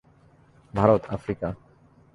Bharat, Africa.